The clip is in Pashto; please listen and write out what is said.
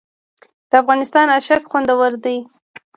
د افغانستان اشک خوندور دي